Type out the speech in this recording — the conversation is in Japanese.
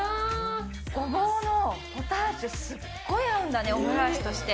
ごぼうのポタージュ、すっごい合うんだね、オムライスとして。